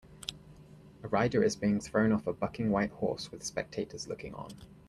A rider is being thrown off a bucking white horse with spectators looking on.